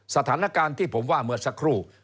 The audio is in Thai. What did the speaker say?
สถานการณ์ที่ผมว่าเมื่อสักครู่